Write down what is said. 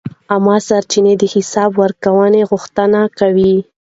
عامه سرچینې د حساب ورکونې غوښتنه کوي.